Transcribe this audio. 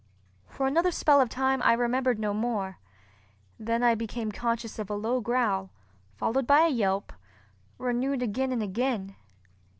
For another spell of time I remembered no more. Then I became conscious of a low growl, followed by a yelp, renewed again and again.